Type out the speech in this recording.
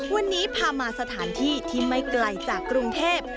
วันนี้พามาสถานที่ที่ไม่ไกลจากกรุงเทพ